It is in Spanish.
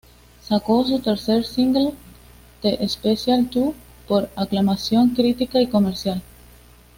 Sacó su tercer single, "The Special Two", por aclamación crítica y comercial.